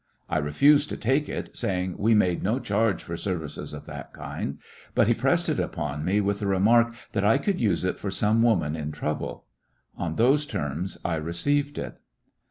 I refused to take it, saying we made no charge for services of that kind ; but he pressed it upon me with the re mark that I could use it for some woman in trouble. On those terms I received it.